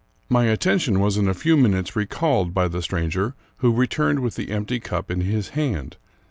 My attention was in a few minutes recalled by the stranger, who returned with the empty cup in his hand.